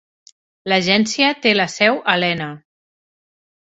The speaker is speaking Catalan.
L'agència té la seu a Helena.